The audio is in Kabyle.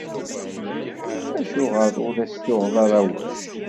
Acuɣer ur as-tuɣeḍ ara awal?